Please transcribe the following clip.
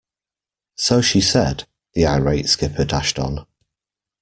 So she said, the irate skipper dashed on.